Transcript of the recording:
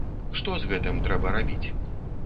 Што з гэтым трэба рабіць?